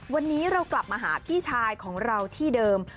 วันนี้เรากลับมาหาพี่ชายของเราที่เดิม